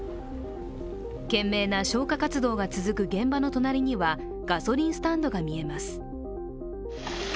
懸命な消火活動が続く現場の隣にはガソリンスタンドが見えます。